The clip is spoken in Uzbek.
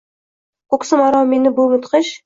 Koʼksim aro meni bu mudhish